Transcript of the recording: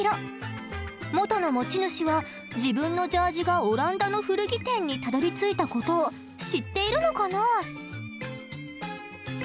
元の持ち主は自分のジャージがオランダの古着店にたどりついたことを知っているのかな？